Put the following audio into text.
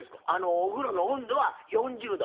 お風呂の温度は４０度。